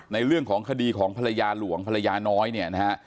ในเรื่องของคดีของภรรยาหลวงภรรยาน้อยเนี่ยนะฮะ